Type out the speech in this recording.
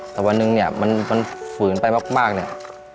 แต่วันหนึ่งเนี่ยมันฝืนไปมากเนี่ย